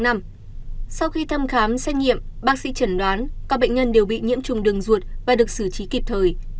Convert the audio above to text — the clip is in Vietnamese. sau khi thăm khám xét nghiệm bác sĩ chẩn đoán các bệnh nhân đều bị nhiễm trùng đường ruột và được xử trí kịp thời